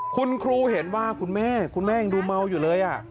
คุณครูเห็นว่าคุณแม่คุณแม่ยังดูเมาอยู่เลย